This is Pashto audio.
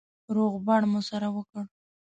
روغبړ مو سره وکړ.